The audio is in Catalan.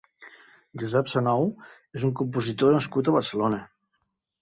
Josep Sanou és un compositor nascut a Barcelona.